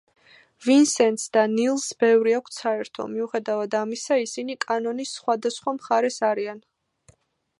ვინსენტს და ნილს ბევრი აქვთ საერთო, მიუხედავად ამისა ისინი კანონის სხვადასხვა მხარეს არიან.